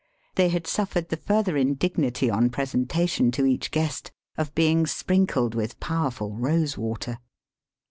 They had suffered the further indignity on presentation to each guest of being sprinkled with powerful rose water.